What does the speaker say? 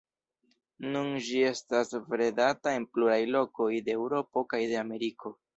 Nun ĝi estas bredata en pluraj lokoj de Eŭropo kaj de Ameriko.